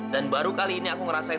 dan baru kali ini aku ngerasain